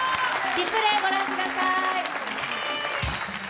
リプレー御覧ください。